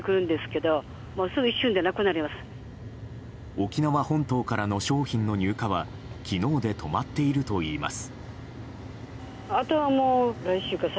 沖縄本島からの商品の入荷は昨日で止まっているといいます。